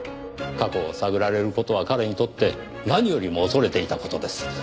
過去を探られる事は彼にとって何よりも恐れていた事です。